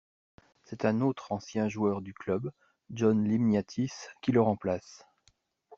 C'est un autre ancien joueur du club, John Limniatis, qui le remplace.